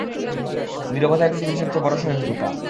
নীরবতাই পৃথিবীর সবচেয়ে বড় সহিংসতা।